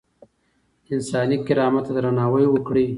انساني کرامت ته درناوی وکړئ.